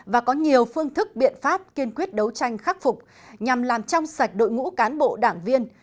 và có nhiều phương thức biện pháp kiên quyết đấu tranh khắc phục nhằm làm trong sạch đội ngũ cán bộ đảng viên